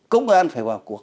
công an phải vào cuộc